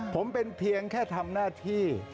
ผมเป็นเพียงแค่ทำหน้าที่